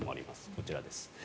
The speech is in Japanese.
こちらです。